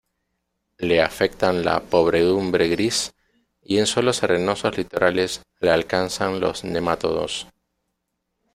Le afectan la podredumbre gris y, en suelos arenosos litorales, le alcanzan los nemátodos.